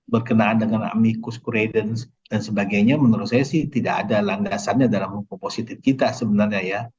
berkenaan dengan amikus kureden dan sebagainya menurut saya sih tidak ada langgasannya dalam muka positif kita sebenarnya ya